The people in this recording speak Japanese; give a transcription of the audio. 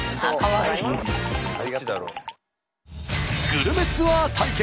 グルメツアー対決。